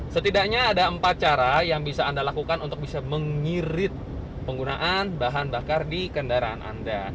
setidaknya ada empat cara yang bisa anda lakukan untuk bisa mengirit penggunaan bahan bakar di kendaraan anda